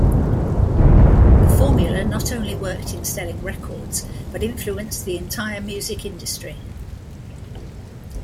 The formula not only worked in selling records, but influenced the entire music industry.